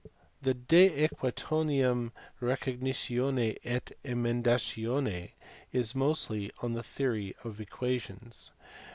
The De Mquationum Recognitions et Emendations is mostly on the theory of equations.